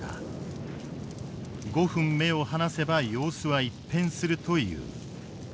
５分目を離せば様子は一変するという。